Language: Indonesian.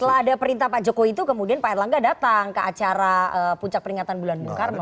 setelah ada perintah pak jokowi itu kemudian pak erlangga datang ke acara puncak peringatan bulan bung karno